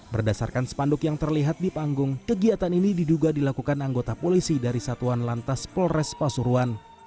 berdasarkan spanduk yang terlihat di panggung kegiatan ini diduga dilakukan anggota polisi dari satuan lantas polres pasuruan